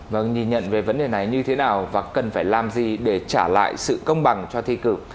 vâng nhìn nhận về vấn đề này như thế nào và cần phải làm gì để trả lại sự công bằng cho thi cử